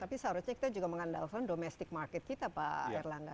tapi seharusnya kita juga mengandalkan domestic market kita pak erlangga